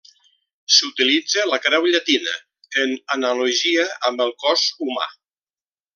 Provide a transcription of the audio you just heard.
S'utilitza la creu llatina en analogia amb el cos humà.